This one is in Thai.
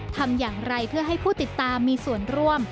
ทำอย่างไรเพื่อให้ผู้ติดตามมีส่วนร่วม